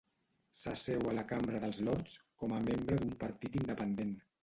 S'asseu a la Cambra dels Lords com a membre d'un partit independent.